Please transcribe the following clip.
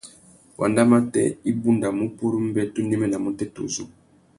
Wandamatê i bundamú purú mbê tu néménamú têtuzú.